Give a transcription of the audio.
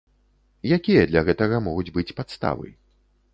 Якія для гэтага могуць быць падставы?